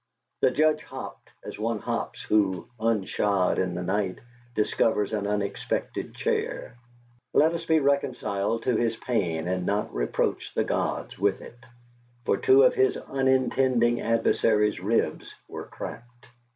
The Judge hopped, as one hops who, unshod in the night, discovers an unexpected chair. Let us be reconciled to his pain and not reproach the gods with it, for two of his unintending adversary's ribs were cracked.